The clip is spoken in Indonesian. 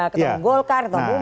ketua umum golkar ketua umum